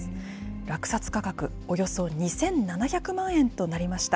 落札価格およそ２７００万円となりました。